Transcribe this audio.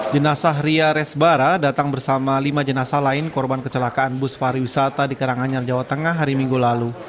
jenazah ria resbara datang bersama lima jenazah lain korban kecelakaan bus pariwisata di karanganyar jawa tengah hari minggu lalu